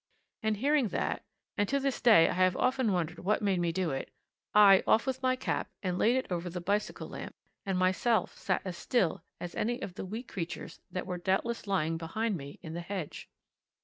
And hearing that and to this day I have often wondered what made me do it I off with my cap, and laid it over the bicycle lamp, and myself sat as still as any of the wee creatures that were doubtless lying behind me in the hedge.